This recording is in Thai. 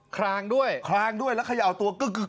คลางด้วยคลางด้วยแล้วคลางออกมาก็คลางด้วย